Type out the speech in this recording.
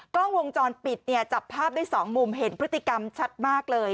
กล้องวงจรปิดเนี่ยจับภาพได้สองมุมเห็นพฤติกรรมชัดมากเลย